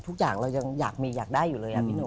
ทุกอย่างเรายังอยากมีอยากได้อยู่เลยพี่หนุ่ม